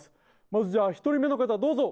まずじゃあ１人目の方どうぞ。